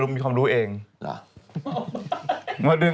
พระพุทธรูปสูงเก้าชั้นหมายความว่าสูงเก้าชั้น